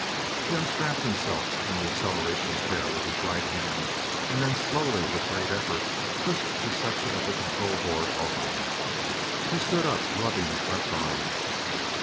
He unstrapped himself from the acceleration chair with his right hand and then slowly, with great effort, pushed the section of the control board off him. He stood up rubbing his left arm.